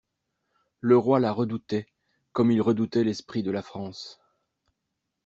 Le roi la redoutait, comme il redoutait l'esprit de la France.